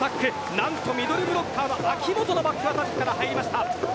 何とミドルブロッカーの秋本のバックアタックから入りました。